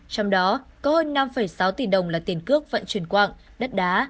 trong đó có hơn năm sáu tỷ đồng là tiền cước vận chuyển quạng đất đá